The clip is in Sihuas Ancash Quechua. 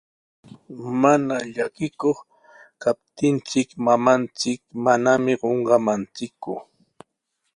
Mana llakikuq kaptinchik, mamanchik manami qunqamanchikku.